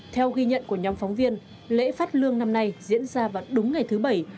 theo ghi nhận của nhóm phóng viên lễ phát lương năm nay diễn ra vào đúng ngày thứ bảy